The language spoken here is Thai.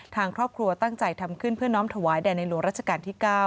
ทางครอบครัวตั้งใจทำขึ้นเพื่อน้องถวายแด่ในหลวงรัชกาลที่๙